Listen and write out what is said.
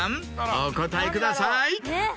お答えください。